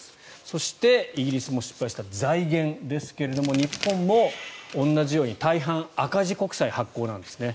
そして、イギリスも失敗した財源ですが日本も同じように大半、赤字国債発行なんですね。